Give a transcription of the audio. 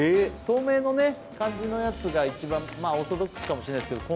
透明のね感じのやつが一番オーソドックスかもしれないですけど